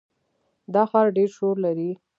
دا ښار ډېر شور لري.